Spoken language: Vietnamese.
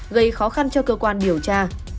gây khó khăn cho cơ quan điều tra